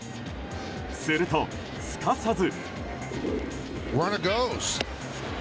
すると、すかさず。